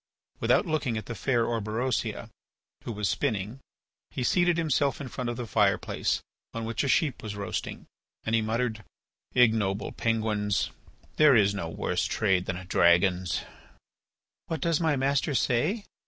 Without looking at the fair Orberosia, who was spinning, he seated himself in front of the fireplace, on which a sheep was roasting, and he muttered: "Ignoble Penguins. ... There is no worse trade than a dragon's." "What does my master say?"